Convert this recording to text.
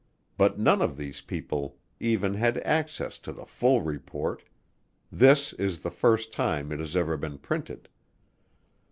But none of these people even had access to the full report. This is the first time it has ever been printed.